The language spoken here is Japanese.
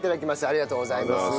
ありがとうございます。